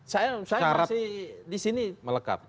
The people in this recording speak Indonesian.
saya masih disini melekat